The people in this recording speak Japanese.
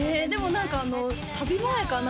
何かサビ前かな？